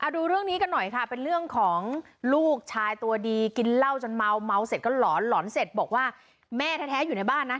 ดูเรื่องนี้กันหน่อยค่ะเป็นเรื่องของลูกชายตัวดีกินเหล้าจนเมาเมาเสร็จก็หลอนหลอนเสร็จบอกว่าแม่แท้อยู่ในบ้านนะ